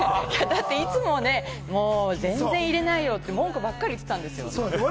いつも全然入れないよって文句ばっかり言ってたんですよ。